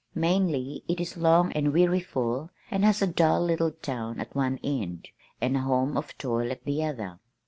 Mainly it is long and weariful and has a dull little town at one end, and a home of toil at the other.